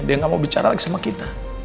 dia gak mau bicara lagi sama kita